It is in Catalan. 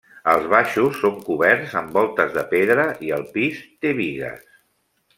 Els baixos són coberts amb voltes de pedra i el pis té bigues.